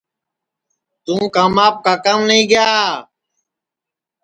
توں کاماپ کاکام نائی گیا